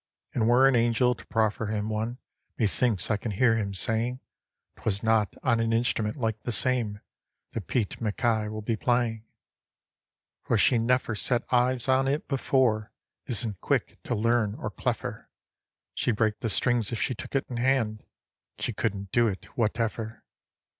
And were an angel to proffer him one, Methinks I can hear him saying: "'Twas not on an instrument like the same That Pete MacKay will be playing, "For she neffer set eyes on it before, Isn't quick to learn, or cleffer; She'd break the strings if she took it in hand, She couldn't do it, whateffer.